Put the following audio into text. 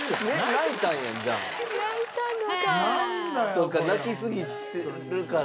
そうか泣きすぎてるから。